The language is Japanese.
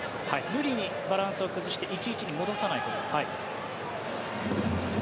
無理にバランスを崩して１−１に戻さないことです。